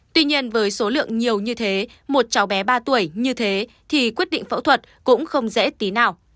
tuy nhiên với số lượng nhiều như thế một cháu bé ba tuổi như thế thì quyết định phẫu thuật cũng không dễ tí nào